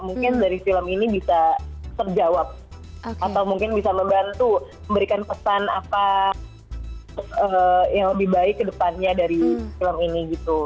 mungkin dari film ini bisa terjawab atau mungkin bisa membantu memberikan pesan apa yang lebih baik ke depannya dari film ini gitu